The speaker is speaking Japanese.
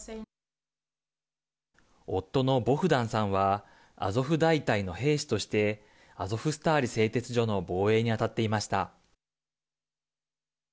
夫のボフダンさんはアゾフ大隊の兵士としてアゾフスターリ製鉄所の防衛に当たっていました。